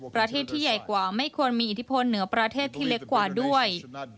ประเทศที่ใหญ่กว่าไม่ควรมีอิทธิพลเหนือประเทศที่เล็กกว่าด้วย